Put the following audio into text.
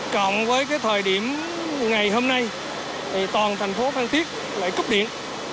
cộng với cái thời điểm ngày hôm nay thì toàn thành phố phan thiết lại cấp điện